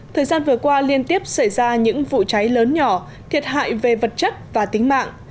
thời gian vừa qua liên tiếp xảy ra những vụ cháy lớn nhỏ thiệt hại về vật chất và tính mạng